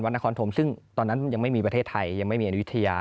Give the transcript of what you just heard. นครธมซึ่งตอนนั้นยังไม่มีประเทศไทยยังไม่มีอายุทยา